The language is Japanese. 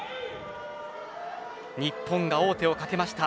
日本が王手をかけました。